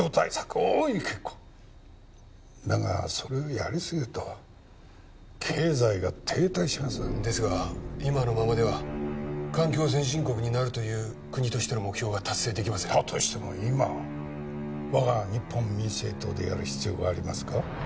大いに結構だがそれをやりすぎると経済が停滞しますですが今のままでは環境先進国になるという国としての目標が達成できませんだとしても今我が日本民政党でやる必要がありますか？